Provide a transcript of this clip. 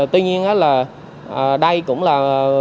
tuy nhiên đây cũng là